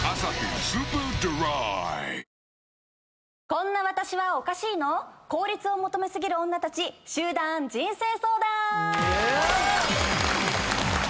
こんな私はおかしいの⁉効率を求めすぎる女たち集団人生相談！